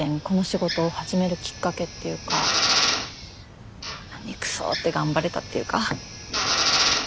この仕事を始めるきっかけっていうかナニクソって頑張れたっていうか。